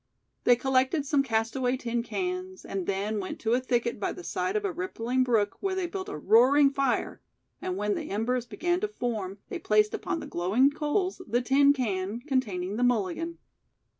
They collected some castaway tin cans and then went to a thicket by the side of a rippling brook, where they built a roaring fire and when the embers began to form they placed upon the glowing coals the tin can containing the "mulligan".